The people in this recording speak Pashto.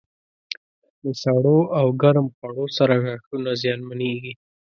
د سړو او ګرم خوړو سره غاښونه زیانمنېږي.